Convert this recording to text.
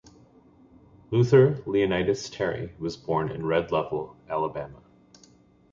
Luther Leonidas Terry was born in Red Level, Alabama.